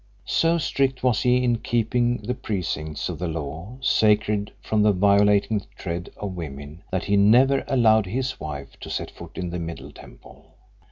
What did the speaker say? So strict was he in keeping the precincts of the law sacred from the violating tread of women that he never allowed his wife to set foot in the Middle Temple.